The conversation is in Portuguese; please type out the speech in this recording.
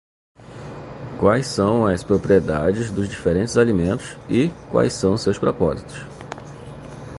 Quais são as propriedades dos diferentes alimentos e quais são seus propósitos?